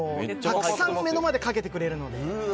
たくさん目の前でかけてくれるので。